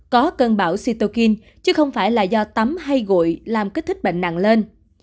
có cơn bão cytokine chứ không phải là do tắm hay gội làm kích thích bệnh nặng lên